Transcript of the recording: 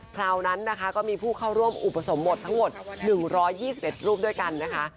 คราวนั้นนะคะก็มีผู้เข้าร่วมอุปสมบททั้งหมด๑๒๑รูปด้วยกันนะคะ